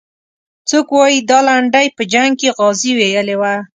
څوک وایي دا لنډۍ په جنګ کې غازي ویلې وه.